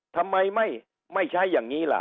ทำไมไม่ใช้อย่างนี้ล่ะ